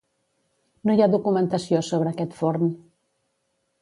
No hi ha documentació sobre aquest forn.